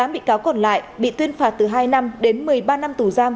một mươi bị cáo còn lại bị tuyên phạt từ hai năm đến một mươi ba năm tù giam